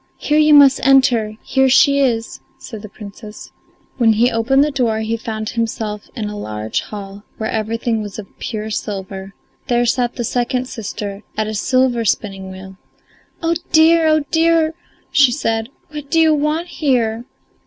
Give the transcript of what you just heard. "Here you must enter: here she is," said the Princess. When he opened the door he found himself in a large hall, where everything was of pure silver; there sat the second sister at a silver spinning wheel. "Oh, dear; oh, dear!" she said. "What do you want here?"